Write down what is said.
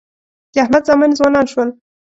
د احمد زامن ځوانان شول.